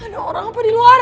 nah orang apa di luar